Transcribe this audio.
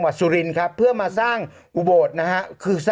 โอเคโอเคโอเคโอเคโอเค